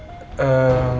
udah jalan tujuh bulan sim